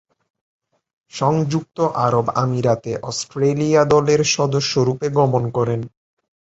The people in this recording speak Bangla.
সংযুক্ত আরব আমিরাতে অস্ট্রেলিয়া দলের সদস্যরূপে গমন করেন।